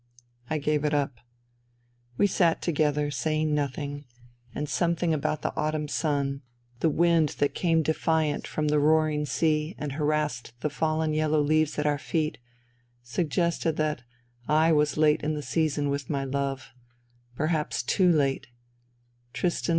'* I gave it up. We sat together, sajdng nothing, and something about the autumn sun, the wind that Q 242 FUTILITY came defiant from the roaring sea and harassed the fallen yellow leaves at our feet, suggested that I was late in the season with my love — perhaps too late.